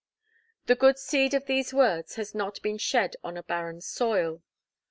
The good seed of these words has not been shed on a barren soil.